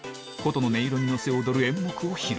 の音色に乗せ踊る演目を披露